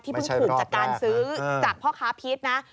เพิ่งถูกจากการซื้อจากพ่อค้าพีชนะ